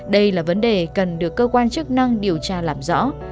đây là vấn đề cần được cơ quan chức năng điều tra làm rõ